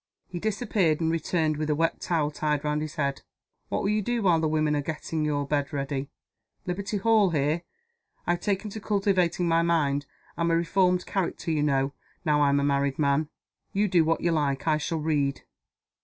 He disappeared, and returned with a wet towel tied round his head. "What will you do while the women are getting your bed ready? Liberty Hall here. I've taken to cultivating my mind I'm a reformed character, you know, now I'm a married man. You do what you like. I shall read."